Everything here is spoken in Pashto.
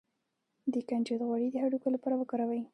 د کنجد غوړي د هډوکو لپاره وکاروئ